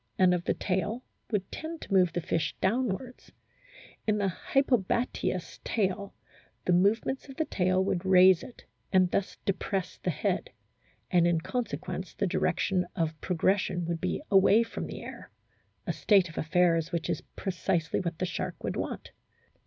THE EXTERNAL FORM OF WHALES 13 and of the tail would tend to move the fish down wards ; in the "hypobatous" tail the movements of the tail would raise it, and thus depress the head ; and in consequence the direction of progression would be away from the air a state of affairs which is precisely what the shark would want.